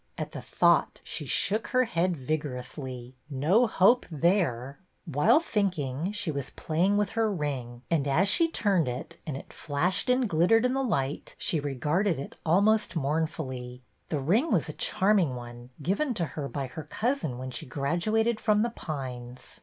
At the thought, she shook her head vigorously. No hope there ! While thinking, she was playing with her ring, and as she turned it, and it flashed and glittered in the light, she regarded it almost mournfully. The ring was a charming one, given to her by her cousin when she graduated from The Pines.